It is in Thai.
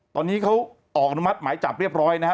ตอนนี้เขาออกอนุมัติหมายจับเรียบร้อยนะฮะ